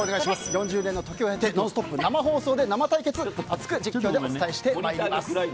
４０年の時を経て「ノンストップ！」生放送で生対決熱く実況でお伝えしてまいります。